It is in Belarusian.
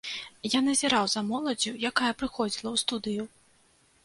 Я назіраў за моладдзю, якая прыходзіла ў студыю.